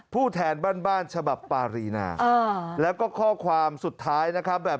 ผู้แทนบ้านบ้านฉบับปารีนาแล้วก็ข้อความสุดท้ายนะครับแบบ